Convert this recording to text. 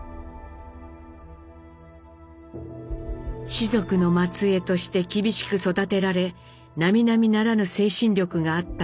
士族の末えいとして厳しく育てられなみなみならぬ精神力があった光宏。